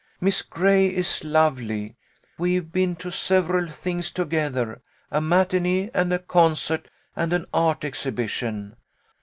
Miss Gray is lovely. We've been to several things to gether, a matinee and a concert and an art exhibi tion.